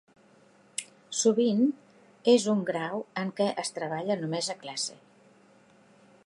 Sovint és un grau en què es treballa només a classe.